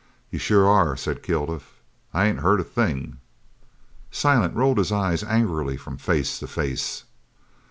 "You sure are," said Kilduff, "I ain't heard a thing." Silent rolled his eyes angrily from face to face.